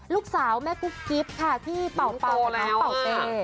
ลูกสาวแม่กุ๊กกิฟต์ที่เมื่อโชคป๋าเป่